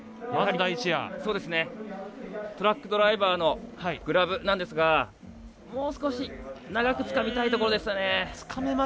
トラックドライバーのグラブなんですがもう少し長くつかみたいところでしたね。